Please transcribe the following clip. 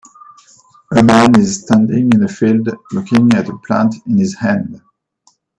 A man is standing in a field looking at a plant in his hand.